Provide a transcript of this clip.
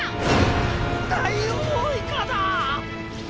ダイオウイカだ！